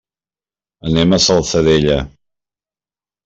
Anem a la Salzadella.